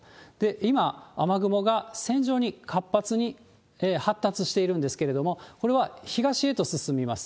今、雨雲が線状に活発に発達しているんですけれども、これは東へと進みます。